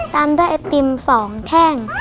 ตามด้วยไอติม๒แท่ง